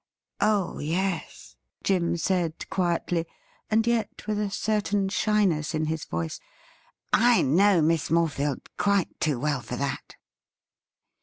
' Oh yes,' Jim said quietly, and yet with a certain shy ness in his voice. ' I know Miss Morefield quite too well for that.'